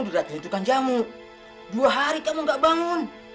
sudah tidur kan jamu dua hari kamu gak bangun